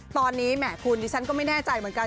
ตอนนี้แหมคุณดิฉันก็ไม่แน่ใจเหมือนกัน